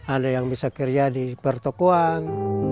ada yang bisa kerja di pertokoan